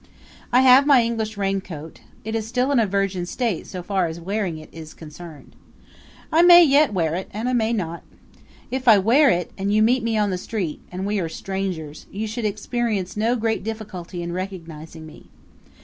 I have my English raincoat; it is still in a virgin state so far as wearing it is concerned. I may yet wear it and I may not. If I wear it and you meet me on the street and we are strangers you should experience no great difficulty in recognizing me.